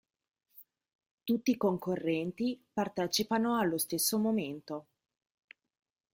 Tutti i concorrenti partecipano allo stesso momento.